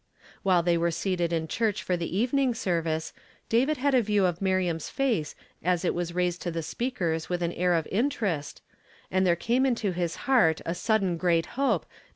While they were seated in church for the even ing service, David had a view of Miriam's face as It was i aised to the speaker's with an air of inter est, and there came into his heart a sudden great hope thot sh